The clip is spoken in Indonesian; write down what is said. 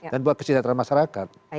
dan buat kesihatan masyarakat